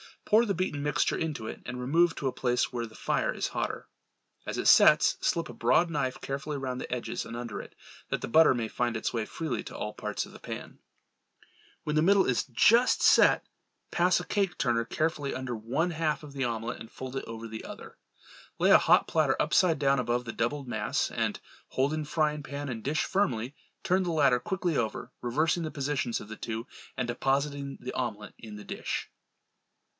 Pour the beaten mixture into it and remove to a place where the fire is hotter. As it "sets," slip a broad knife carefully around the edges and under it, that the butter may find its way freely to all parts of the pan. When the middle is just set, pass a cake turner carefully under one half of the omelette and fold it over the other. Lay a hot platter upside down above the doubled mass and holding frying pan and dish firmly, turn the latter quickly over, reversing the positions of the two, and depositing the omelette in the dish.